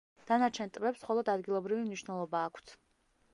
დანარჩენ ტბებს მხოლოდ ადგილობრივი მნიშვნელობა აქვთ.